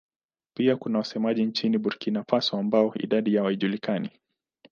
Pia kuna wasemaji nchini Burkina Faso ambao idadi yao haijulikani.